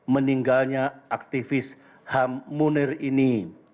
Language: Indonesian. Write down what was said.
meninggalnya aktivis ham munir ini